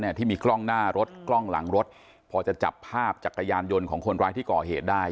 ที่มีกล้องหน้ารถกล้องหลังรถพอจะจับภาพจักรยานยนต์ของคนร้ายที่ก่อเหตุได้